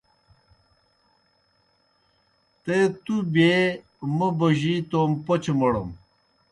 تے تُوْ بیے موْ بوجِی تومہ پوْچہ موڑَم۔